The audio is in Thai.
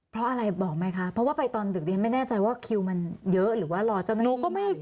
เพราะอะไรบอกไหมคะเพราะว่าไปตอนดึกดิฉันไม่แน่ใจว่าคิวมันเยอะหรือว่ารอเจ้าหน้าที่